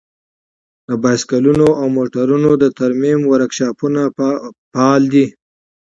د بايسکلونو او موټرونو د ترمیم ورکشاپونه فعال دي.